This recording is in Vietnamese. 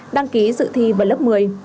đăng ký sự thi vào lớp một mươi